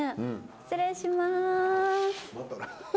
失礼します。